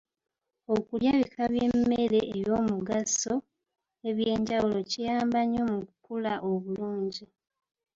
Okulya bika by'emmere ey'omugaso eby'enjawulo kiyamba nnyo mu kukula obulungi.